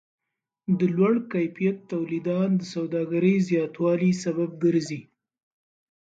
د لوړ کیفیت تولیدات د سوداګرۍ زیاتوالی سبب ګرځي.